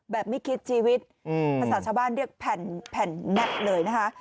ไม่คิดชีวิตภาษาชาวบ้านเรียกแผ่นแน็ตเลยนะคะ